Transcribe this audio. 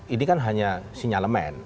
ini kan hanya sinyalemen